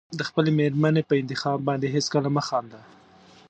د خپلې مېرمنې په انتخاب باندې هېڅکله مه خانده.